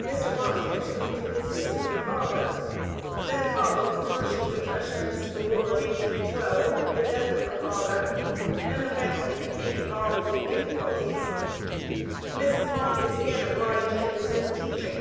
Mr. Mott entered into business with her father. Then followed commercial depressions, the war of 1812, the death of her father, and the family became involved in difficulties. Mrs. Mott was again obliged to resume teaching.